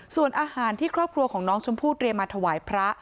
ส่วนอาหารที่ครอบครัวของน้องชมพู่เตรียมมาถวายพระ